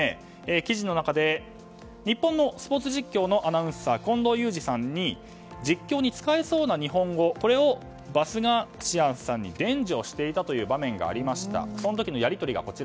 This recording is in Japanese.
記事の中で日本のスポーツ実況のアナウンサー近藤祐司さんに実況に使えそうな日本語をバスガーシアンさんに伝授をしていたという場面がありました。